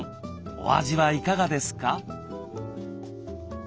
お味はいかがですか？